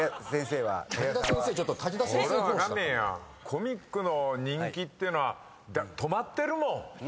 コミックの人気っていうのは止まってるもん。